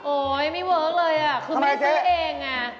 โอ๊ยไม่ได้วอร์คเลยคือไม่ได้ซื้อเอง